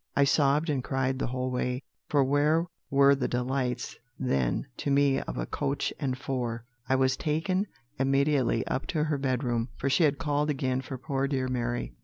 I sobbed and cried the whole way, for where were the delights then to me of a coach and four? I was taken immediately up to her bedroom, for she had called again for poor dear Mary.